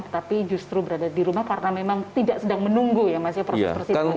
tetapi justru berada di rumah karena memang tidak sedang menunggu ya mas ya proses persidangan